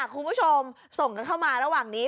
คุณผู้ชมส่งกันเข้ามาระหว่างนี้